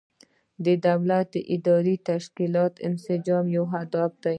د دولت د اداري تشکیلاتو انسجام یو هدف دی.